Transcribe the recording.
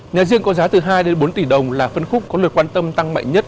nhà riêng có giá từ hai đến bốn tỷ đồng là phân khúc có lượt quan tâm tăng mạnh nhất